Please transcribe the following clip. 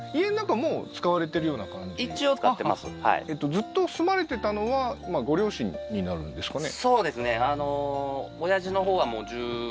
ずっと住まわれてたのはご両親になるんですかね？